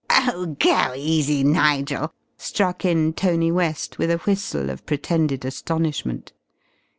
"Oh, go easy, Nigel!" struck in Tony West with a whistle of pretended astonishment.